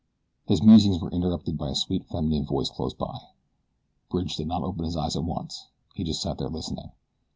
His musings were interrupted by a sweet feminine voice close by. Bridge did not open his eyes at once he just sat there, listening.